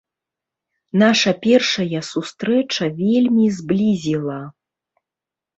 Наша першая сустрэча вельмі зблізіла.